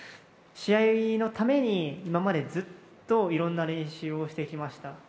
試合のために今までずっといろんな練習をしてきました。